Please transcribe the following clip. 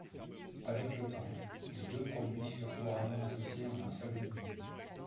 Avec le temps, les deux produits furent couramment associés en un seul menu.